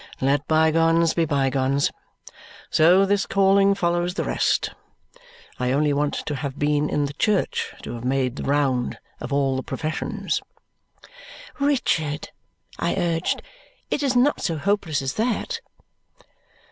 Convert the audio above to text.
Let bygones be bygones. So this calling follows the rest. I only want to have been in the church to have made the round of all the professions." "Richard," I urged, "it is not so hopeless as that?"